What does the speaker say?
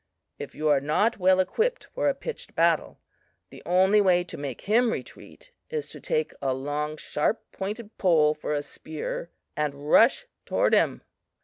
If you are not well equipped for a pitched battle, the only way to make him retreat is to take a long sharp pointed pole for a spear and rush toward him.